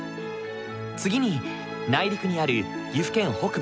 次に内陸にある岐阜県北部